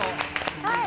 はい。